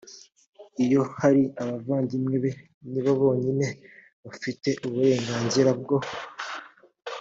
iyo hari abavandimwe be ni bo bonyine bafite uburenganzira bwo